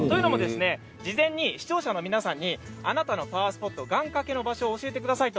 事前に視聴者の皆さんにあなたのパワースポット願かけの場所を教えてくださいと